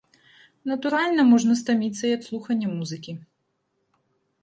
Натуральна, можна стаміцца і ад слухання музыкі.